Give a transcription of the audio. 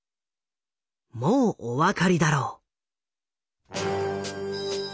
もうお分かりだろう。